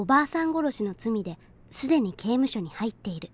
殺しの罪で既に刑務所に入っている。